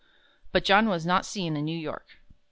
But John was not seen in New York.